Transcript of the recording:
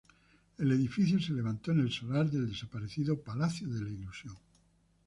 El edificio se levantó en el solar del desaparecido Palacio de la Ilusión.